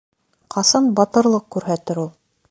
Ҡасан батырлыҡ күрһәтер ул?..